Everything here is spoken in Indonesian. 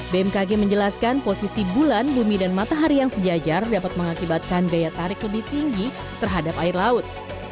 bmkg menjelaskan posisi bulan bumi dan matahari yang sejajar dapat mengakibatkan daya tarik lebih tinggi terhadap air laut